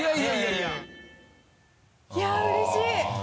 いやっうれしい！